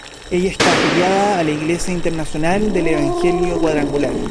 Ella está afiliada a la Iglesia Internacional del Evangelio Cuadrangular.